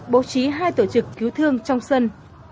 bố trí hai tổ chức cứu thương trong sân